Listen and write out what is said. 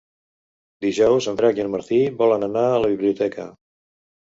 Dijous en Drac i en Martí volen anar a la biblioteca.